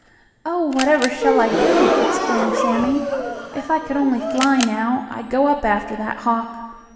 "Oh, whatever shall I do?" exclaimed Sammie. "If I could only fly now, I'd go up after that hawk.